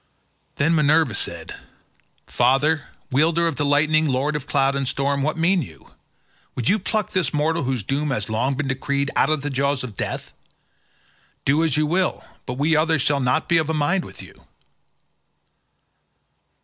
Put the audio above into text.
Then Minerva said, "Father, wielder of the lightning, lord of cloud and storm, what mean you? Would you pluck this mortal whose doom has long been decreed out of the jaws of death? Do as you will, but we others shall not be of a mind with you."